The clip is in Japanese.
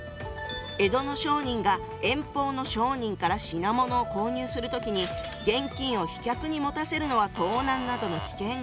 江戸の商人が遠方の商人から品物を購入する時に現金を飛脚に持たせるのは盗難などの危険があった。